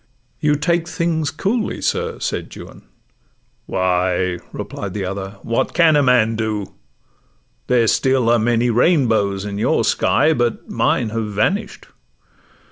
'You take things coolly, sir,' said Juan. 'Why,' Replied the other, 'what can a man do? There still are many rainbows in your sky, But mine have vanish'd.